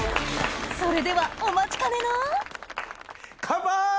それではお待ちかねのカンパイ！